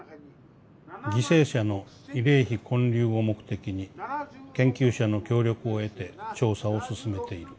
犠牲者の慰霊碑建立を目的に研究者の協力を得て調査を進めている」。